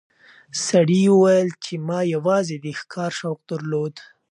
سړي وویل چې ما یوازې د ښکار شوق درلود.